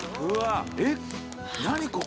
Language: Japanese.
えっ何ここ？